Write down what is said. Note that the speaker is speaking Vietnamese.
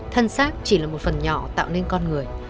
thân xác chỉ là một phần nhỏ tạo nên con người